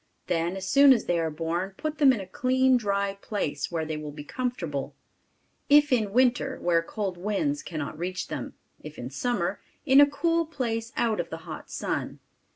Then as soon as they are born, put them in a clean, dry place, where they will be comfortable, if in winter, where cold winds cannot reach them; if in summer, in a cool place out of the hot sun.